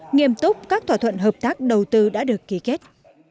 nghiêm túc các thỏa thuận hợp tác đầu tư đã được ký kết